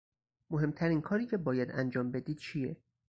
مهمترین کاری که باید انجام بدی چیه؟